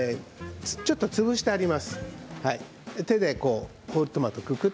ちょっと潰してあります。